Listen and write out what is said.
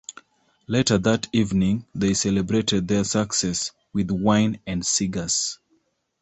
Later that evening, they celebrated their success with wine and cigars.